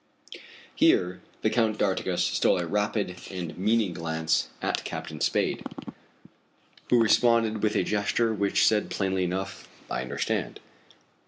Here the Count d'Artigas stole a rapid and meaning glance at Captain Spade, who responded with a gesture which said plainly enough: "I understand."